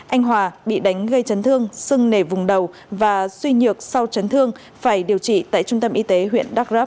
anh hòa bị đánh gây chấn thương sưng nề vùng đầu và suy nhược sau chấn thương phải điều trị tại trung tâm y tế huyện đắk rấp